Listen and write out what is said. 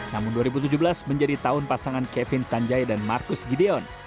namun dua ribu tujuh belas menjadi tahun pasangan kevin sanjaya dan marcus gideon